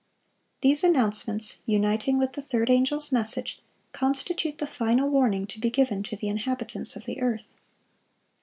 These announcements, uniting with the third angel's message, constitute the final warning to be given to the inhabitants of the earth.